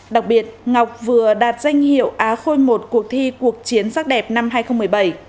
đặc biệt ngọc vừa đạt danh hiệu á khôi i cuộc thi cuộc chiến sắc đẹp năm hai nghìn một mươi bảy